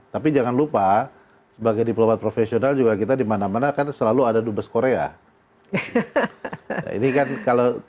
tapi jangan lupa sebagai diplomat profesional juga kita dimana mana kan selalu ada dubes korea